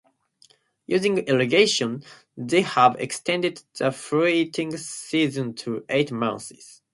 Using irrigation, they have extended the fruiting season to eight months.